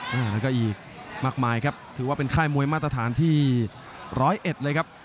แล้วก็อีกมากมายครับถือว่าเป็นค่ายมวยมาตรฐานที่ร้อยเอ็ดเลยครับ